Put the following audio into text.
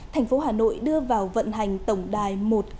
thành phố hà nội đưa vào vận hành tổng đài một nghìn hai mươi hai